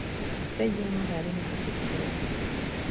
Ssejjengo ng'ali ne Katikkiro.